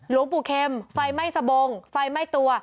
หลวงปู่เข็มไฟไหม้สะบงไฟไหม้ตัว